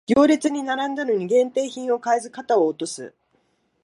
行列に並んだのに限定品を買えず肩を落とす